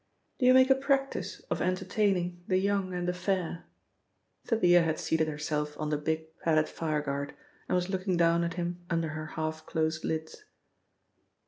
"Do you make a practice of entertaining the young and the fair?" Thalia had seated herself on the big padded fireguard and was looking down at him under her half closed lids.